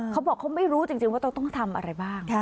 เขาบอกเขาไม่รู้จริงว่าเราต้องทำอะไรบ้าง